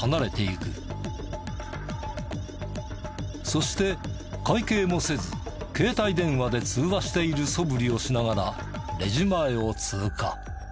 そして会計もせず携帯電話で通話しているそぶりをしながらレジ前を通過。